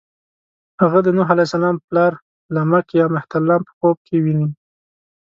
هغه د نوح علیه السلام پلار لمک یا مهترلام په خوب کې ويني.